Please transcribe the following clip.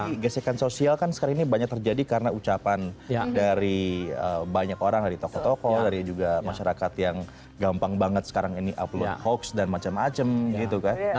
tapi gesekan sosial kan sekarang ini banyak terjadi karena ucapan dari banyak orang dari tokoh tokoh dari juga masyarakat yang gampang banget sekarang ini upload hoax dan macam macam gitu kan